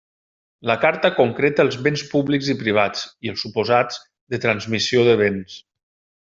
La Carta concreta els béns públics i privats, i els suposats de transmissió de béns.